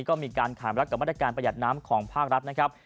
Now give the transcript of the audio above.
ก็มีการขามรักกับมาตรการประหยัดน้ำของภาครัฐนะครับ